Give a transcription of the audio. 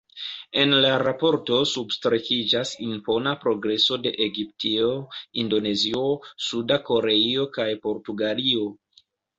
En la raporto substrekiĝas impona progreso de Egiptio, Indonezio, Suda Koreio kaj Portugalio.